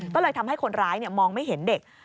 ก็เลยทำให้คนร้ายมองไม่เห็นเด็ก